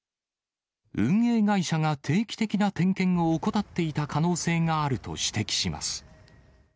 運営会社が定期的な点検を怠っていた可能性があると指摘します。